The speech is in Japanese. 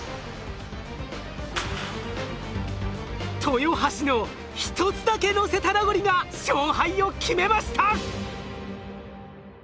豊橋の１つだけのせたラゴリが勝敗を決めました！